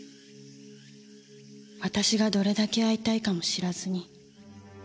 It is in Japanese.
「私がどれだけ会いたいかも知らずに」